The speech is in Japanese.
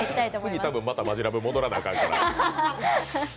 次、多分、またマヂラブ戻らなあかん。